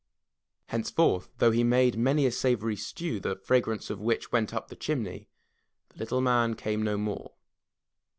Henceforth, though he made many a savory stew, the frag rance of which went up the chimney, the Little Man came no more.